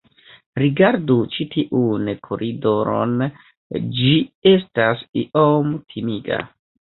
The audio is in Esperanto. Rigardu ĉi tiun koridoron ĝi estas iom timiga